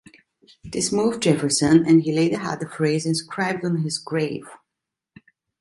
This moved Jefferson, and he later had the phrase inscribed on his grave.